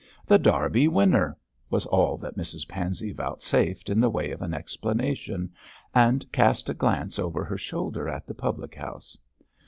'The Derby Winner!' was all that Mrs Pansey vouchsafed in the way of an explanation, and cast a glance over her shoulder at the public house.